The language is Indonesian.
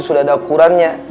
sudah ada ukurannya